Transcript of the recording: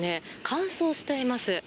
乾燥しています。